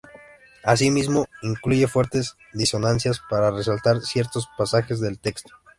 Asimismo, incluye fuertes disonancias para resaltar ciertos pasajes del texto.